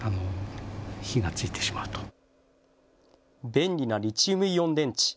便利なリチウムイオン電池。